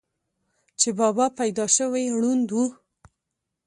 چې بابا پېدائشي ړوند وو،